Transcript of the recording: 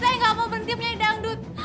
saya gak mau berhenti nyanyi dambut